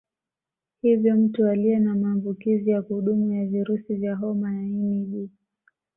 Hivyo Mtu aliye na maambukizi ya kudumu ya virusi vya homa ya ini B